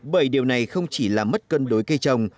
bởi điều này không chỉ làm mất cân đối cây trồng